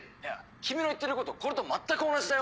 君の言ってることこれと全く同じだよ。